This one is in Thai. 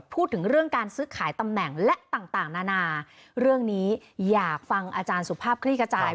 พูดถึงเรื่องการซื้อขายตำแหน่งและต่างต่างนานาเรื่องนี้อยากฟังอาจารย์สุภาพคลี่ขจาย